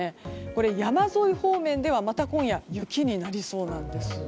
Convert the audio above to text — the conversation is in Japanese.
これ、山沿い方面ではまた今夜雪になりそうなんです。